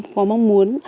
có mong muốn